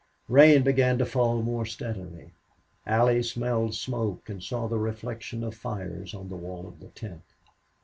Rain began to fall more steadily. Allie smelled smoke and saw the reflection of fires on the wall of the tent.